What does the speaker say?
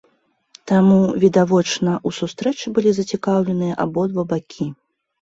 Таму, відавочна, у сустрэчы былі зацікаўленыя абодва бакі.